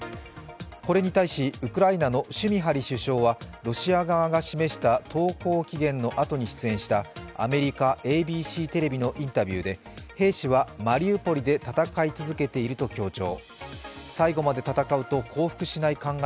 これに対しウクライナのシュミハリ首相はロシア側が示した投降期限のあとに示したアメリカ・ＡＢＣテレビのインタビューで、兵士はマリウポリで戦い続けていると強調。